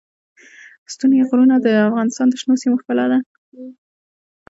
ستوني غرونه د افغانستان د شنو سیمو ښکلا ده.